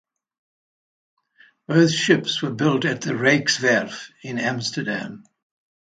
Both ships were built at the "Rijkswerf" in Amsterdam.